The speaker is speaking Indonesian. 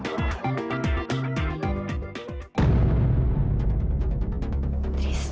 dia ngapain di sini